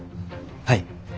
はい。